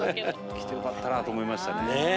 来てよかったなと思いましたね。